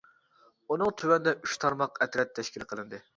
ئۇنىڭ تۆۋىنىدە ئۈچ تارماق ئەترەت تەشكىل قىلىندى.